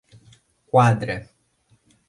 Quadra